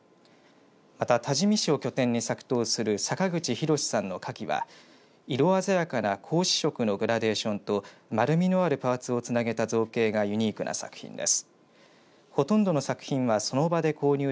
また多治見市を拠点に作創する阪口浩史さんの花器は色鮮やかな紅紫色のグラデーションと丸みのあるパーツをつなげた造形がユニークな作品です。